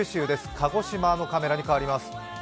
鹿児島のカメラに変わります。